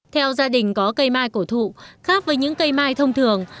theo gia đình có cây mai cổ thụ khác với những cây mai thông thường